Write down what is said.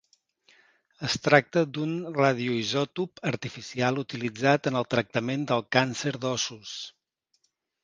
Es tracta d'un radioisòtop artificial utilitzat en el tractament del càncer d'ossos.